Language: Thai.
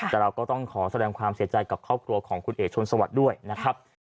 แต่เราก็ต้องขอแสดงความเสียใจกับครอบครัวของคุณเอกชนสวัสดิ์ด้วยนะครับ